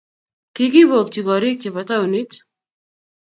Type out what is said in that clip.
kikibokchi korik chebo taunit